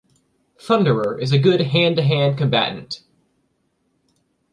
Thunderer is a good hand-to-hand combatant.